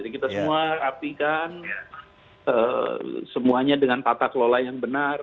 kita semua rapikan semuanya dengan tata kelola yang benar